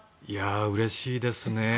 うれしいですね。